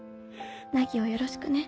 凪をよろしくね。